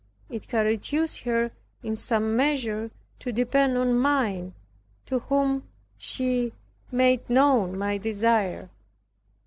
It had reduced her in some measure to depend on mine, to whom she made known my desire.